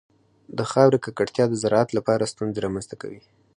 د خاورې ککړتیا د زراعت لپاره ستونزې رامنځته کوي.